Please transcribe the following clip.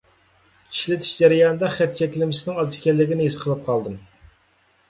ئىشلىتىش جەريانىدا خەت چەكلىمىسىنىڭ ئاز ئىكەنلىكىنى ھېس قىلىپ قالدىم.